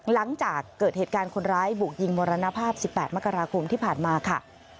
หลังจากเกิดเหตุการณ์คนร้ายบุกยิงมรณภาพ๑๘มกราคมที่ผ่านมาค่ะ